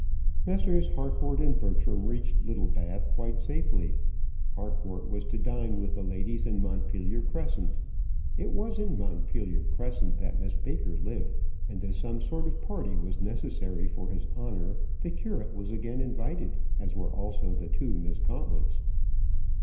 Messrs. Harcourt and Bertram reached Littlebath quite safely. Harcourt was to dine with the ladies in Montpellier Crescent it was in Montpellier Crescent that Miss Baker lived and as some sort of party was necessary for his honour, the curate was again invited, as were also the two Miss Gauntlets.